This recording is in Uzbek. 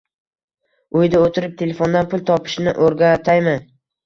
- Uyda o'tirib telefondan pul topishni o'rgataymi?